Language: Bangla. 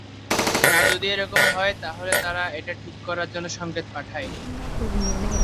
যদি এরকম হয়, তাহলে তারা এটা ঠিক করার জন্য সংকেত পাঠায়।